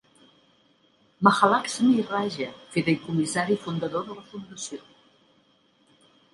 Mahalakshmi Raja, fideïcomissari fundador de la Fundació.